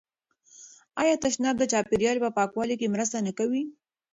آیا تشناب د چاپیریال په پاکوالي کې مرسته نه کوي؟